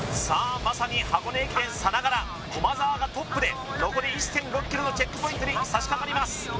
まさに箱根駅伝さながら駒澤がトップで残り１．６ｋｍのチェックポイントに差し掛かります